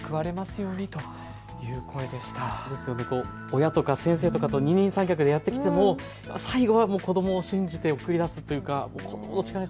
親とか先生とかと二人三脚でやってきても最後は子どもを信じて送り出すというか。